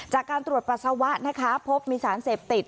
จากการตรวจปัสสาวะนะคะพบมีสารเสพติด